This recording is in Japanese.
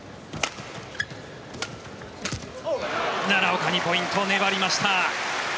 奈良岡にポイント粘りました。